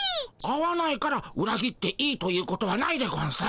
会わないからうら切っていいということはないでゴンス。